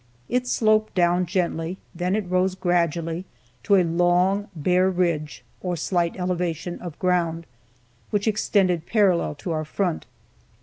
It sloped down gently, then it rose gradually to a long, bare ridge, or slight elevation of ground, which extended parallel to our front.